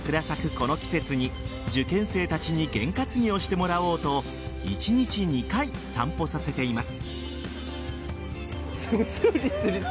この季節に受験生たちに験担ぎをしてもらおうと１日２回、散歩させています。